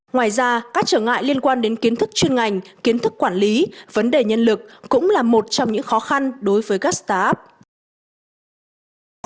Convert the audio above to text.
ngoài ra các trở ngại liên quan đến kiến thức chuyên ngành kiến thức quản lý vấn đề nhân lực cũng là một trong những khó khăn đối với các start up